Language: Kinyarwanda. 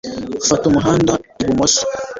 Fata umuhanda ibumoso